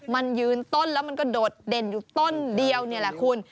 มันยืนต้นแล้วมันก็โดดเด่นอยู่ต้นเดียวนี่แหละคุณ